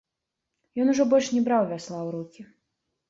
Ён ужо больш не браў вясла ў рукі.